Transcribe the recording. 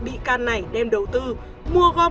bị can này đem đầu tư mua gom